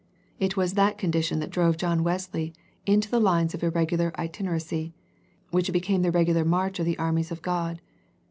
It was that condition that drove John Wesley into the lines of irregular itineracy, which became the regular march of the armies of God.